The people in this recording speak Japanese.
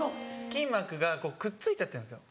筋膜がくっついちゃってるんですよ。